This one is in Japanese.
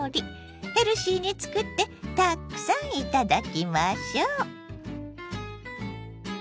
ヘルシーにつくってたくさん頂きましょう。